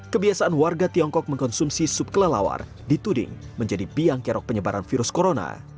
kebiasaan warga tiongkok mengkonsumsi sup kelelawar dituding menjadi biang kerok penyebaran virus corona